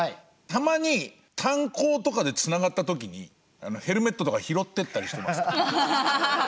たまに炭鉱とかでつながった時にヘルメットとか拾ってったりしてますから。